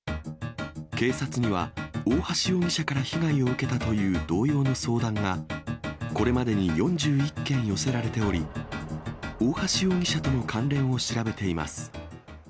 警察には、大橋容疑者から被害を受けたという同様の相談が、これまでに４１件寄せられており、大橋容疑者との関連を調べています。